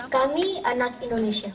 kami anak indonesia